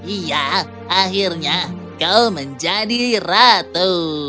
iya akhirnya kau menjadi ratu